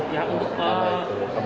yang untuk pak